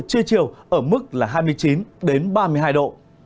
trưa chiều ở mức là hai mươi chín ba mươi hai độ